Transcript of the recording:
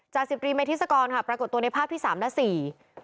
จากสิบรีเมย์ทิศกรณ์ค่ะปรากฏตัวในภาพที่สามหน้าสี่